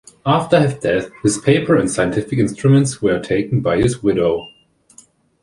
After his death, his papers and scientific instruments were taken by his widow.